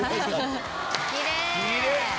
きれい！